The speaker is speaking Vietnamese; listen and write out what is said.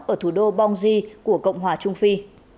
ở thủ đô bongi của cộng hòa trung phi